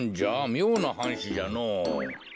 みょうなはんしじゃのぉ。